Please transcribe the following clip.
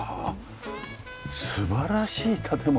素晴らしい建物。